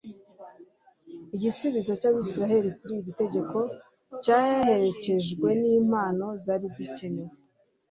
igisubizo cy'abisirayeli kuri iri tegeko cyaherekejwe n'impano zari zikenewe